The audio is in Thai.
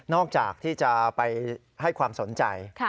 จากที่จะไปให้ความสนใจ